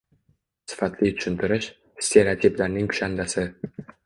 Sifatli tushuntirish – stereotiplarning kushandasi.